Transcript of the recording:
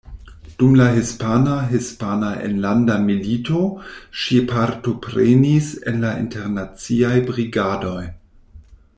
Dum la hispana Hispana Enlanda Milito ŝi partoprenis en la Internaciaj Brigadoj.